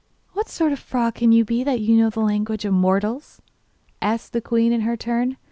'What sort of a frog can you be that knows the language of mortals?' asked the queen in her turn.